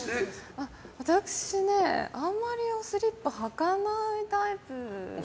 私ね、あんまりおスリッパ履かないタイプ。